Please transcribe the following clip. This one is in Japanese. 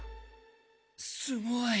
すごい。